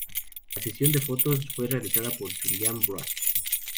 La sesión de fotos fue realizada por Julian Broad.